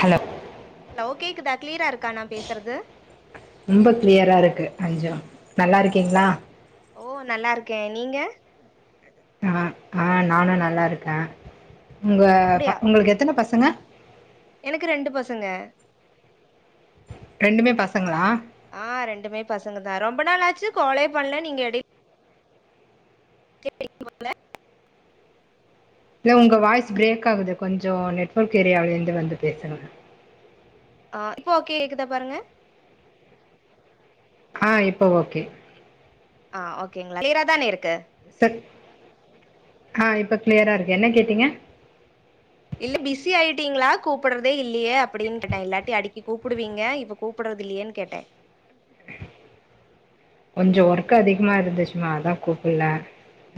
hello hello கேக்குதா கிளியரா இருக்கா நா பேசுறது ரொம்ப கிளியரா இருக்கு கொஞ்சோ நல்லா இருக்கீங்ளா ஓ நல்லாருக்கே நீங்க ஆ ஆ நானும் நல்லா இருக்கே உங்க அப்டியா உங்ளுக்கு எத்தன பசங்க எனக்கு ரெண்டு பசங்க ரெண்டுமே பசங்களா ஆ ரெண்டுமே பசங்கதா ரொம்ப நாள் ஆச்சு கோலே பண்ல நீங்க [unintelligible] [inaudible] இல்ல உங்க வாய்ஸ் பிரேக் ஆகுது கொஞ்சோ நெட்ஒர்க் ஏரியால்ல இருந்து வந்து பேசுங்க ஆ இப்போ கேக்குதா பாருங்க ஆ இப்ப ஓகே ஆ ஓகேங்ளா கிளியரதானே இருக்கு [unintelligible] அ இப்ப கிளியரா இருக்கு என்ன கேட்டீங்க இல்ல பிஸி ஆயிட்டீங்ளா கூப்புடுறதே இல்லயே அப்படின் கேட்டே இல்லாட்டி அடிக்கி கூப்புடுவீங்க இப்ப கூப்புடுறது இல்லையேன் கேட்டே கொஞ்சம் ஒர்க் அதிகமா இருந்துச்சுமா அதா கூப்புல்ல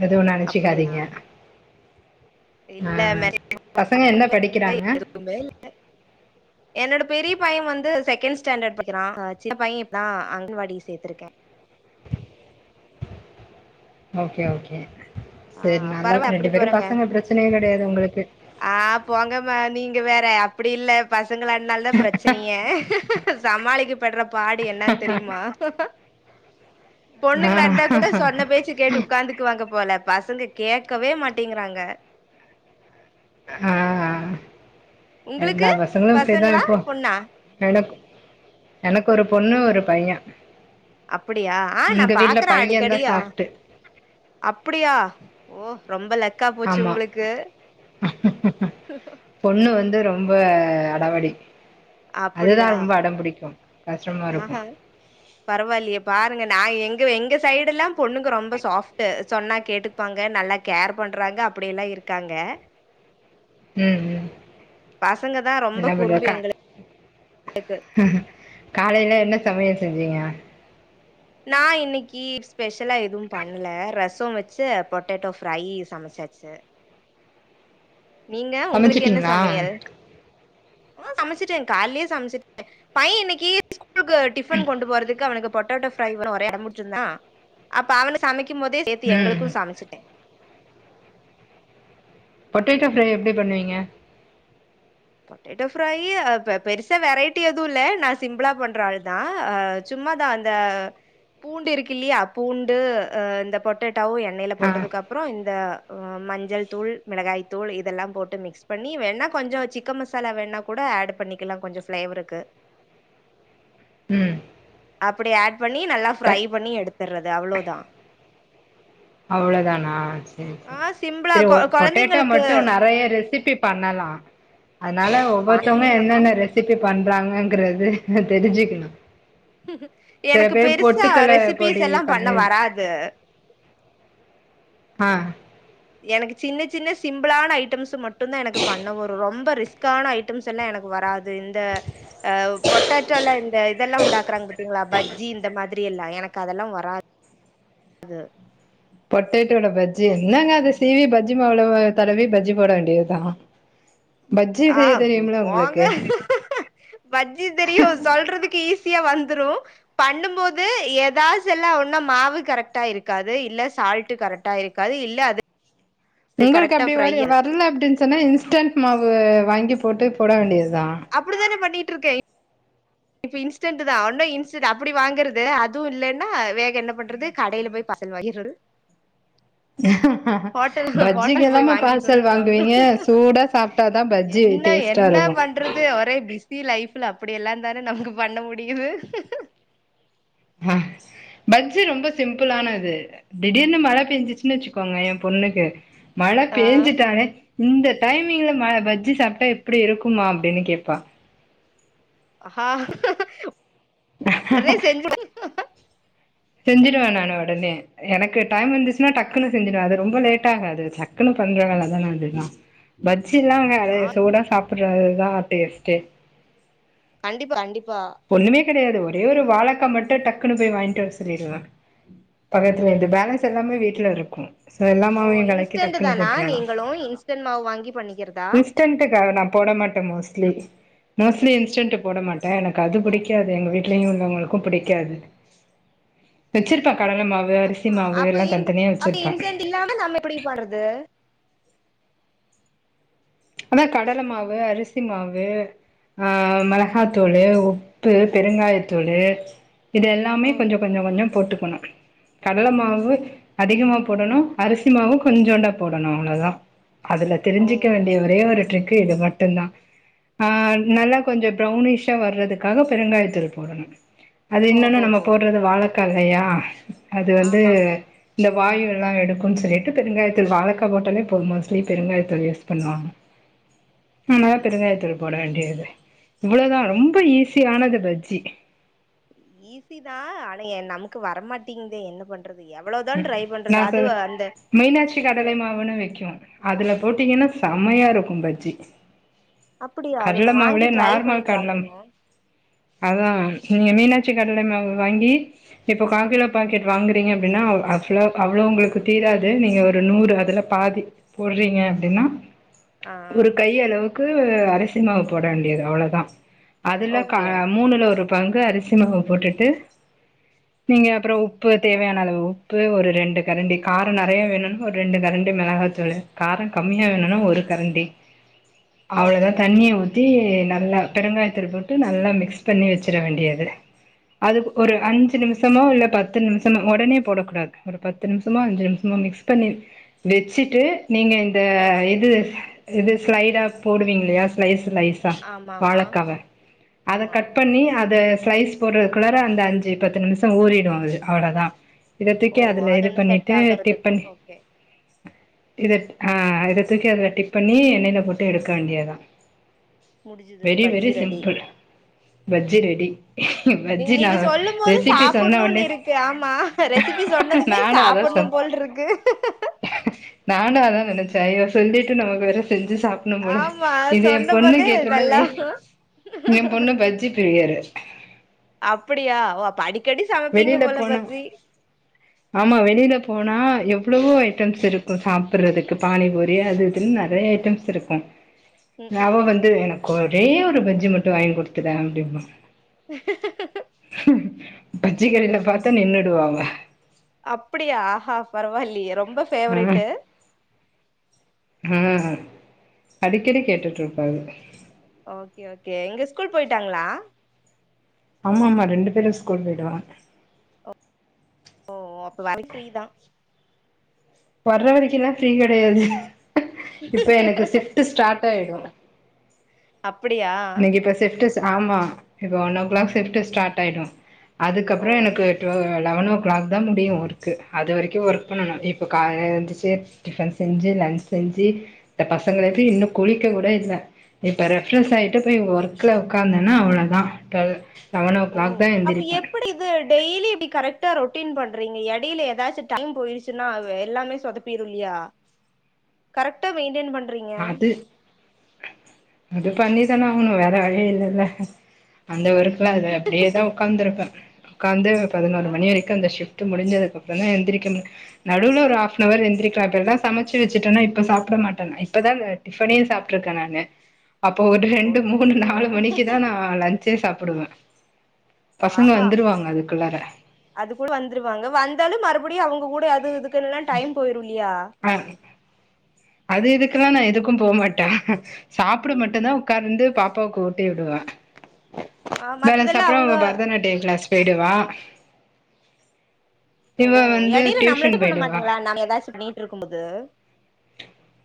எதுவு அப்படியா நெனச்சிக்காதீங்க ஆ இல்ல பசங்க என்ன [unintelligible] படிக்கிறாங்க எதுமே இல்ல என்னோட பெரிய பையன் வந்து செகண்ட் ஸ்டாண்டர்ட் படிக்கிறான் ஆ சின்ன பையன் இப்தா ஆ அங்கன் வாடில சேத்திருக்கே ஓகே ஓகே ஆ செரி நல்லா பரவா எப்டி ரெண்டு பேரும் போறாங்க பசங்க பிரச்சனையே கெடையாது உங்ளுக்கு ஆ போங்கமா நீங்க வேற அப்டி இல்ல பசங்களனாலதா பிரச்சனையே சமாளிக்க பட்ற பாடு என்னன் தெரியுமா ஆ பொண்ணுங்ளா இருந்தா கூட சொன்ன பேச்சு கேட்டு உட்காந்துக்குவாங்க போல பசங்க கேட்கவே மாட்டிங்கிறாங்க ஆ உங்களுக்கு எல்லா பசங்களு அப்டிதா பசங்களா இப்போ பொண்ணா என எனக்கு ஒரு பொண்ணு ஒரு பையே அப்டியா ஆ நா பாக்குறே பையந்தா அடிக்கடி ஆ சாஃப்ட்டு அப்புடியா ஓ ரொம்ப லக்கா போச்சு ஆமா உங்ளுக்கு பொண்ணு வந்து ரொம்ப அடாவடி அதுதா அப்டியா ரொம்ப அடம் பிடிக்கு கஷ்டமா இருக்கு ஆஹா பரவாயில்லையே பாருங்க நா எங்க எங்க சைடு எல்லா பொண்ணுங்க ரொம்ப சாஃப்ட் சொன்னா கேட்டு ப்பாங்க நல்லா கேர் பண்ணுறாங்க அப்டிலா இருக்காங்க ம் ம் பசங்க என்ன பன்ற அக்கா இருக்கு காலைல என்ன சமையல் செஞ்சீங்க நா இன்னைக்கு ஸ்பெஷ்லா எதுவு பண்ணல ரசோவெச்சு பொட்டேட்டோ ஃப்ரை சமச்சாச்சு நீங்க உங்களுக்கு என்ன சமச்சிட்டீங்களா சமையல் ம் சமச்சுட்டே கால்லயே சமச்டே பையே இன்னைக்கு ஸ்கூலுக்கு டிஃபன் கொண்டு போறதுக்கு அவனுக்கு பொட்டேட்டோ ஃப்ரை வேறு ஒரே அடம் புடிச்சிருந்தான் அப்ப அவனு சமைக்கு போதே சேத்து ம் எங்களுக்கு சமச்சுட்டே பொட்டேட்டோ ஃப்ரை எப்டி பண்ணுவீங்க பொட்டேட்டோ ஃப்ரை பெருசா வெரைட்டி எதுவு இல்ல நா சிம்பிளா பண்ற ஆள் தா சும்மாதா அந்த பூண்டு இருக்கு இல்லையா பூண்டு இந்த பொட்டேட்டாவு எண்ணெய்ல ஆ போட்டதுக்கு அப் அப்றோ இந்த மஞ்சள் தூள் மிளகாய் தூள் இதெல்லா போட்டு மிக்ஸ் பண்ணி வேணா கொஞ்ச சி க்கன் மசாலா வேணா கூட ஆட் பண்ணிக்கலா கொஞ்ச ஃப்ளேவருக்கு உ அப்டி ஆட் பண்ணி நல்லா ஃப்ரை பண்ணி எடுத்துடுறது அவ்ளோ தா அவ்ளோதானா செரி ஆ சிம்பிளா செரி கொ பொட்டேட்டோ கொழந்தைங்களுக்கு மட்டு நெறைய ரெசிபி பண்ணலா அதுனால ஒவ்வொருத்தவங்க பண்ணலா என்னென்ன ரெஸ் ரெசிப்பி பண்றாங்கங்கறது தெரிஞ்சுக்கணு சில எனக்கு பேர் பெருசா பொட்டுக்கல்ல பொடி ரெசிபிஸ் எல்லா பண்ண பண்ணி வராது ஆ எனக்கு சின்ன சின்ன சிம்பிளான ஐட்டம்ஸ் மட்டு தா எனக்கு பண்ண வரு ரொம்ப ரிஸ்க் க்கான ஐட்டம்ஸ் எல்லா எனக்கு வராது இந்த பொட்டாட்டோ ல்லா இந்த இதெல்லா உண்டாக்குறாங்க பத்திங்களா பஜ்ஜி இந்த மாதி ரியல்ல எனக்கு அதெல்லா வராது பொட்டேட்டோல பஜ்ஜி என்னங்க அத சீவி பஜ்ஜி மவுல தடவி பஜ்ஜி போட வேண்டியதுதா பஜ்ஜி ஆ செய்ய தெரியும்ல போங்க உங்களுக்கு பஜ்ஜி தெரியு சொல்றதுக்கு இ சியா வந்துரு பண்ணு போது ஏதாசுல்ல ஒன்னு மாவு கரெக்டா இருக்காது இல்ல சால்ட் கரெக்டா இருக் அது இல்ல அது உங்களுக்கு கரெக்டா அப்டி ஃப்ரை வரல அப்டின்னு சொன்னா இன்ஸ்டன்ட் மாவு வாங்கி போட்டு போட வேண்டியதுதா அப்டித்தானே பண்ணிட்டு இருக்கே இப்ப இன்ஸ்டன்ட் தா ஒன்னு இன்ஸ்டன்ட் அப்டி வாங்கறது அதுவு இல்லன்னா வேக என்ன பண்றது கடையில போய் பார்சல் வாங்கிறது ஹோட்டல் பஜ்ஜிக்கு ஹோட்டல் போய் எல்லாமே வாங்கிட்டு பார்சல் வந்து வாங்குவீங்க சாப்டு சூடா சாப்ட்டாதா பஜ்ஜி என்ன டேஸ்ட்டா என்ன இருக்கு பண்றது ஒரே பிஸி லைஃப்ல அப்படி எல்லா தானே நமக்கு பண்ண முடியுது ஹ பஜ்ஜி ரொம்ப சிம்பிளானது திடீர்னு மழ பெஞ்சிச்சுனு வச்சுக்கோங்க எம் பொண்ணுக்கு மழ ஆ பேஞ்சுட்டாளே இந்த டைமிங்ல ம பஜ்ஜி சாப்ட்டா எப்டி இருக்குமா அப்டின்னு கேப்பா ஹ செஞ்சிருவே நானு ஒடனே எனக்கு டைம் இருந்துச்சுனா டக்குனு செஞ்சிடுவே அது ரொம்ப லேட் ஆகாது டக்குனு பண்ற வேல தானே அதெல்லா பஜ்ஜி எல்லாங்க அத ஆ சூடா சாப்பட்றது தா டேஸ்ட்டே கண்டிப்பா கண்டிப்பா ஒண்ணுமே கெடையாது ஒரே ஒரு வாழக்கா மட்டு டக்குனு போய் வாங்கிட் வர சொல்லிருவே பக்கத்துல இருந்து பேலன்ஸ் எல்லாமே வீட்ல இருக்கு சொ ஓ எல்லாமாவையு கலக்கி இன்ஸ்டன்ட் டக்குனு தானா போட்ருவே நா நீங்களு இன்ஸ்டன்ட் மாவு வாங்கி பண்ணிக்கிறதா இன்ஸ்டன்டு நா போட மாட் டே மோஸ்ட்லி மோஸ்ட்லி இன்ஸ்டன்டு போட மாட்டே எனக் கு அது பிடிக்காது எங்க வீட்லயு உள்ளவங்களுக்கு பிடிக்காது வச்சிருப்ப கடல மா அ அப்ப இன்து அப்ப இன்சென்ட் இல்லாம நம்ம எப்படி பண்றது அதா கடல மாவு அரிசி மாவு ஆ மிளகாத்தூளு உப்பு பெருங்காயத்தூளு இது எல்லாமே ஓ கொஞ்சோ கொஞ்சோ கொஞ்சோ போட்டுக்கணு கடல மாவு அதிகமா போடணு அரிசி மாவு கொஞ்சோண்டா போடணு அவ்ளோதா அதுல ஓ தெரிஞ்சுக்க வேண்டிய ஒரே ஒரு ட்ரிக்கு இது மட்டுந்தா ஆ நல்லா கொஞ்சோ ப்ரௌனிஷ்ஷா வர்றதுக்காக பெருங்காயத்தூள் போடணு அது இன்னன்னு நம்ம ஓஹோஹோ போட்றது வாழக்கா இல்லையா அது வந்து ஆமா இந்த வாயு எல்லாம் எடுக்குன் சொல்லிட்டு பெருங்காயத்தூள் வாழக்கா போட்டாலே பொது மோஸ்ட்லி பெருங்காயத்தூள் யூஸ் பண்ணுவாங்க ம்மதா ஓ பெருந்தாயத்தூள் போட வேண்டியது இவ்ளோதா ரொம்ப ஈஸியானது பஜ்ஜி ஈஸி தா ஆனா என் நமக்கு வரமாட்டிங்தே என்ன பண் றது எவ்வளோ ம் நா சொ மீனாட்சி இது கடலை மாவுனு விக்கு அதுல போட்டீங்கன்னா செம்மையா இருக்கு பஜ்ஜி அப்படியா அது கட்ல ஒன்னு வாங்கி மாவுலயே ட்ரை பண்ணி நார்மல் கட்லம் பாக்கணு அதா நீங்க மீனாட்சி கடல மாவு வாங்கி இப்போ கா கிலோ பாக்கெட் வாங்குறீங்க அப்டின்னா ஆக்சுலா அவ்ளோ உங்களுக்கு தீராது நீங்க ஒரு நூறு அதுல பாதி போட்றீங்க அப்டின்னா ஆ ஒரு கையளவுக்கு ஒரு அரிசி மாவு போட வேண்டியது அவ்ளோதா அதுல கா ஓகே மூணுல ஒரு பங்கு அரிசி மாவ போட்டுட்டு நீங்க அப்றோ உ ப்பு ஓ தேவையான அளவு உப்பு ஒரு ரெண்டு கரண்டி கார நெறைய வேணுனா ஒரு ரெண்டு கரண்டி மிளகாத்தூளு கார கம்மியா ம் வேணுன்னா ஒரு ம் கரண்டி அவ்ளோதா ஓகே தண்ணிய ஊ த்தி நல்லா பெருங்காயத்தூள் போட்டு நல்லா மிக்ஸ் பண்ணி வச்சிர வேண்டியது அதுக் ஓ ஒரு அஞ்சு நிமிஷமோ இல்ல பத்து நிமிஷமோ ஒடனே போடக்கூ டாது ஒரு பத்து நிமிஷமோ அஞ்சு நிமிஷமோ மிக்ஸ் பண்ணி வச்சுட்டு நீங்க ஓகே இது இது ஸ்லைடா போடுவீங்க இலையா ஸ்லைஸ் லைஸ் பா ஆமாமா வாழைக்காவ அத ஆமா கட் பண்ணி அத ஸ்லைஸ் போட்றதுக்குள்ளர அந்த அஞ்சு பத்து நிமிஷோ ஊறிடு அது அவ்ளோதா இத ஓ தூக்கி அதுல இது அதொன்னு செட் பண்ணிட்டு டிப் ஆகுறதுக்கு பண்ணி ஓகே இத அ அத தூக்கி அதுல டிப் பண்ணி எண்ணெல போட்டு எடுக்க வேண்டியதா முடிஞ்சுது very bajji very ready simple bajji ready நீ பஜ்ஜி நா நீங்க சொல்லும் போது ரெசிபி சொன்ன உன்னே சாப்புட்ணுன்னு இருக்கு ஆமா ரெசிபி சொன்னதுமே அதா சாப்பிடணு சொன் போல் இருக்கு நானு அதா நினைச்சே ஐயோ சொல்லிட்டு நமக்கு வேற செஞ்சு சாப்ப ணு போல ஆமா இது ஏ சொன்ன பொண்ணு போதே கேட்டிருந்தா நல்லா ஏ என் பொண்ணு பஜ்ஜி ப்ரியரு அப்படியா ஒ படி வெளில போனா ஆமா வெளில போனா எவ்ளவோ ஐட்டம்ஸ் இருக்கும் சாப்பிடுறதுக்கு பானிபூரி அது இதுன்னு நறைய டம்ஸ் இருக்கும் ம் அவ ம் வந்து எனக்கு ஒரே ஒரு பஜ்ஜி மட்டு வாங்கி் கொடுத்துறே அப்டிம்பா ஹ உஹம் பஜ்ஜி கடை ல பார்த்தா நின்னுடுவா அவ அப்டியா ஆஹா பரவாயில்லையே ரொம்ப ஆ ஃபேவரேட்டு் ம் அடிக்கடி கேட்டுட்டு இருப்பாரு ஓகே ஓகே எங்க ஸ்கூல் போயிட்டாங்களா ஆமா ஆமா ரெண்டு பேரு ஸ்கூல் போயிடுவாங் ஓ அப்ப வரைக்கு ஃப்ரீதா வர்ற வரைக்குலா ஃப்ரீ கிடையாது இப்ப எனக்கு தா ஷிப்ட் ட்டு ஸ்டார்ட் ஆயிடு அப்படியா இன்னைக்கு இப்ப ஷிப்ட் ஆமா இப்போ one o'clock shift start ஆயிடு ஓ அதுக்கப்றோ எனக்கு டொ லெவன் ஓ கிளாக் தா முடியு ஒர்க்கு அது வரைக்கு ஒர்க் பண்ணணு இப்ப இப்போ காலைல எழுந்துச்சு டிஃபன் செஞ்சு லன்ச் செஞ்சு இந்த பசங்கள எழ்ப்பி இன்னு குளிக்க கூட இல்ல இப்ப ரெஃப்ரஸ் ஆயிட்டு போய் ஒர்க்ல உக்காந்தேனா அவ்ளோதா டொல் ஓ அப்ப எப்படி வந்து டெய்லி எப்டி கரெக்டா ரொட்டீன் பண்றீங்க இடையில ஏதாச்சு டைம் போயிருச்சுனா எல்லாமே சொதப் பிருல்லியா கரெக்டா மெயின்டென் பண்றீங்க அது அது பண்ணிதானே ஆகனு வேற வழி இல்லைல்ல அந்த ஒர்க்குல அது அப்டியேதா உட்காந்துருப்பே உக்காந்து பதினோரு அ மணி அ வரைக்கு அந்த ஷிப்ட் முடிஞ்சதுக்கு அப்றோந் தா எந்திரிக்கனு நடுவ்ல ஒரு ஹாஃப்ன அவர் எந்திரிக்ற அப்டினா சமைச்சு வச்சுட்டேனா இப்ப சாப்ட மாட்டே நா இப்பதா டிஃபனயே சாப்ட்டுருக்கே நானு அப்போ ஒரு ரெண்டு மூணு அய்யய்யோ நாலு மணிக்குதா நா லஞ்ச்சே சாப்பிடுவ பசங்க ஆஹா வந்துருவாங்க அதுக்குள்ளாற அது குள்ள வந்துருவாங்க வந்தாலு மறுபடியு அவங்க கூட அது இதுக்குல்லா டைம் போயிரு இல்லியா அ அது இதுக்கெல்லா நா எதுக்கு போமாட்டே சாப்ட மட்டுதா உட்காந்து பாப்பாவுக்கு ஊட்டி விடுவே ம பேலன்ஸ் மத்ததெல்லா அப்றோ அவங்க பரதநாட்டிய கிளாஸ் போய்டுவா ஓ வந்து இடைல நம்மள இது டியூஷன் பண்ண போயிடுவா மாட்டாங்களா நாம ஏதாச்சு பண்ணிட்டு இருக்கும் போது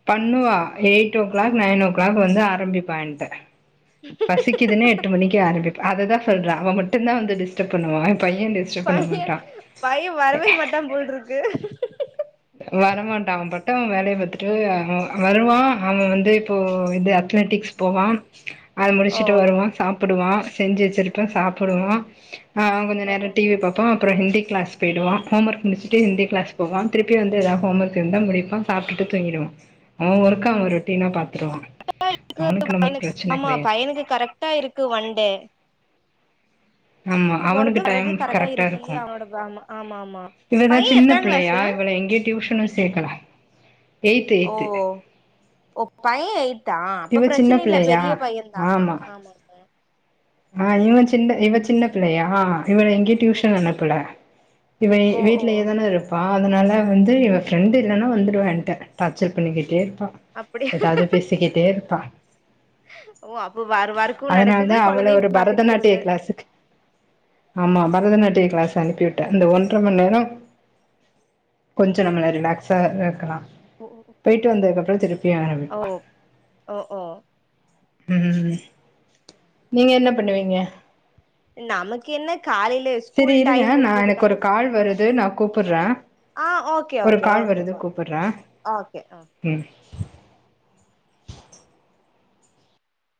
பண்ணுவா eight o'clock nine o'clock வந்து ஆரம்பிப்பா என்ட்ட பசிக்குதுன்னு எட்டு மணிக்கு ஆரம்பிப்பா அததா சொல்றே அவ மட்டுந்தா வந்து டிஸ்டர்ப் பண்ணுவா என் பைய டிஸ் பைய பைய வரவே மாட்டாம் போல இருக்கு வரமாட்டா அவன் பாட்டு அவன் வேலைய பாத்துட்டு அவன் வருவா அவன் வந்து இப்போ இது அத்லட்டிக்ஸ் போவா அத ஓ முடிச்சுட்டு வருவா சாப்பிடுவா செஞ்சு வச்சிருப்பே சாப்பிடுவா கொஞ்ச ஓ ஓ நேர டிவி பாப்பான் அப்றோ ஹிந்தி கிளாஸ் போயிடுவா ஹோம் ஒர்க் முடிச்சுட்டு ஹிந்தி கிளாஸ் போவான் திருப்பி வந்து ஏதாவது ஹோம் ஒர்க் இருந்தா முடிப்பா சாப்பிட்டு தூங்கிடுவா அவன் ஒர்க ரொட்டினா பாத்துக்குவா அவனுக்கு நமக்கு பிரச்சன கிடையாது எனக்கு கரெக்ட் கரெக்டாஇருக்கு ஒன்டே ஆமா போறது அவனுக்கு டைம் வர்றது கரெக்டா இருக்கு இல்லையா அவனோட ஆமா ஆமா ஆமா இவதா பையன் சின்ன எத்தன பிள்ளையா கிளாஸு இவள எங்கையு டியூஷன்ல சேக்கல எய்த்து ஓ எய்த்து ஓ பைய தா அப்ப இவ சின்ன பிரச்சன இல்ல பிள்ளையா பெரிய பையே தா ஆமா ஆ இவ சின்ன இவ சின்ன பிள்ளையா இவள எங்கையு ஓ டியூஷன் அனுப்பல இவ ஓ ஓ வீட்லையே தானே இருப்பா அதுனால வந்து இவ ஃப்ரெண்டு் இல்லனா வந்துடுவா என்ட்ட டார்ச்சர் பண்ணிக்கிட்டே இருப்பா அப்படி ஏதாவது பேசிக்கிட்டே இருப்பா ஓ அப்போ வ்ரு வ்வருக்கு அதனால நடக்குது தா அவள குழந்தையு ஒரு பரதநாட்டிய கிளா ஆமா பரதநாட்டிய கிளாஸ் அனுப்பி வுட்டே அந்த ஒன்ற மணி நேரோ கொஞ்சோ நம்மல ரிலாக்ஸா இருக்கலா ஓ போயிட்டு வந்ததுக்கு அப்றோ திருப்பி ஓ ஆரம்பிப்பா ஓ ஓ உ நீங்க என்ன பண்ணுவீங்க நமக்கு என்ன காலையில சேரி ஸ்கூல் இருங்க டைம் நா எனக்கு முடிஞ்சதுனாலே ஒரு கால் வருது நா கூப்பிடுறே ஆ ஓகே ஓகே ஓகே ஓகே உ